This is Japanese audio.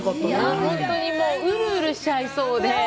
本当にウルウルしちゃいそうで。